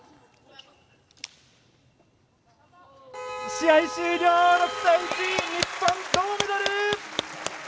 試合終了、６対１！日本、銅メダル！